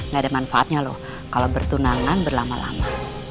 gak ada manfaatnya loh kalau bertunangan berlama lama